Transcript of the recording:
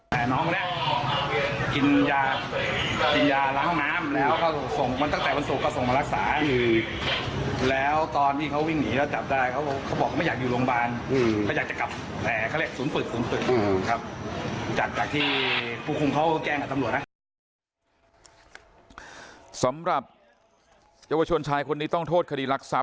สำหรับเยาวชวนชายคนนี้ต้องโทษคดีรักทรัพย์นะครับเข้ามาอยู่สถานพินิษฐ์เด็กและเยาวชนถูกตัดสินต้องโทษเป็นเวลาสอบทศาสตร์นะครับ